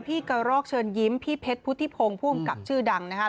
กระรอกเชิญยิ้มพี่เพชรพุทธิพงศ์ผู้อำกับชื่อดังนะครับ